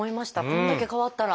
これだけ変わったら。